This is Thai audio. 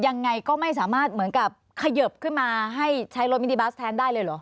ยังไงก็ไม่สามารถเหมือนกับเขยิบขึ้นมาให้ใช้รถมินิบัสแทนได้เลยเหรอ